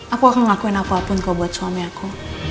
aku akan ngelakuin apapun kau buat suami aku